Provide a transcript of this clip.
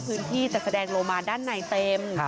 พื้นที่จะแสดงโลมาด้านในเต็ม